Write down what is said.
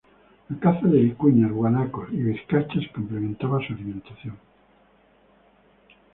La caza de vicuñas, guanacos y vizcachas complementaba su alimentación.